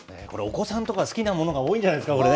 これ、お子さんとか好きなものが多いんじゃないですか。